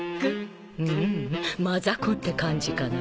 うんマザコンって感じかな